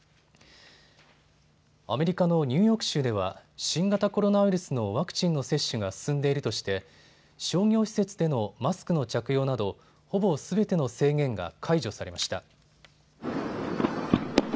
アメリカのニューヨーク州では新型コロナウイルスのワクチンの接種が進んでいるとして商業施設でのマスクの着用などほぼすべての制限が解除されました。